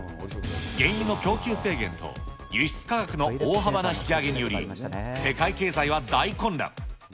原油の供給制限と輸出価格の大幅な引き上げにより、世界経済は大混乱。